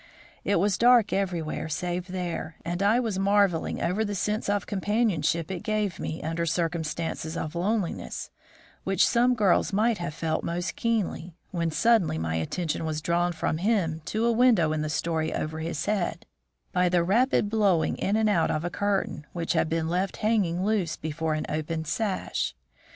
It was dark everywhere save there, and I was marveling over the sense of companionship it gave me under circumstances of loneliness, which some girls might have felt most keenly, when suddenly my attention was drawn from him to a window in the story over his head, by the rapid blowing in and out of a curtain, which had been left hanging loose before an open sash.